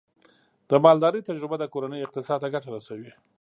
د مالدارۍ تجربه د کورنۍ اقتصاد ته ګټه رسوي.